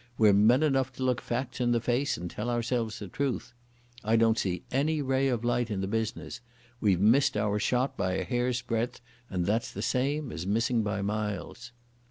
We're men enough to look facts in the face and tell ourselves the truth. I don't see any ray of light in the business. We've missed our shot by a hairsbreadth and that's the same as missing by miles."